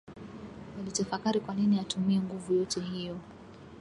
Walitafakari kwanini atumie nguvu yote hiyo